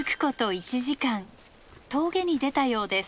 １時間峠に出たようです。